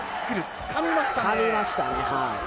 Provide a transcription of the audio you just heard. つかみましたね。